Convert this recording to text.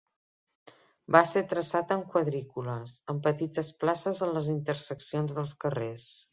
Va ser traçat en quadrícules, amb petites places a les interseccions dels carrers.